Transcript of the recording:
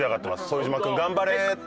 「副島君頑張れ」って。